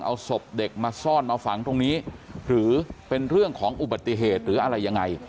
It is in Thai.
เอาศพเด็กมาซ่อนมาฝังตรงนี้หรือเป็นเรื่องของอุบัติเหตุหรืออะไรยังไง